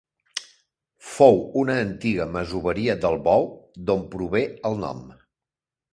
Fou una antiga masoveria del Bou d'on prové el nom.